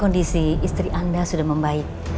kondisi istri anda sudah membaik